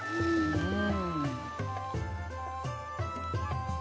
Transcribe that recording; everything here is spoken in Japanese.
うん。